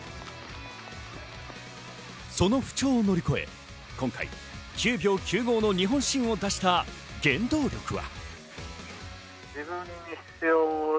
その不調を乗り越え、今回９秒９５の日本新を出した原動力は。